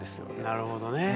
なるほどね。